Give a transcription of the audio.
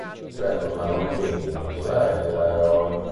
I tre tornano quindi in Israele da eroi.